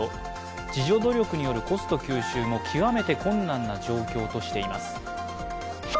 自助努力によるコスト吸収も極めて困難な状況としています。